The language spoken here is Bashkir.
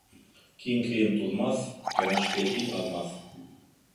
Киң кейем туҙмаҫ, кәңәшле ил аҙмаҫ.